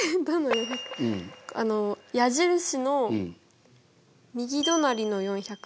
あの矢印の右隣の４００。